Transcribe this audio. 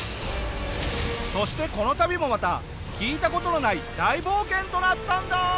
そしてこの旅もまた聞いた事のない大冒険となったんだ！